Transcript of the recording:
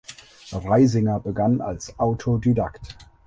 Reisinger begann als Autodidakt.